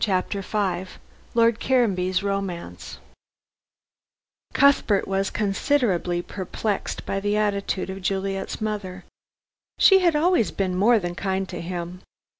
CHAPTER V LORD CARANBY'S ROMANCE Cuthbert was considerably perplexed by the attitude of Juliet's mother. She had always been more than kind to him.